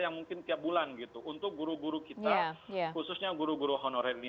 yang mungkin tiap bulan gitu untuk guru guru kita khususnya guru guru honorer ini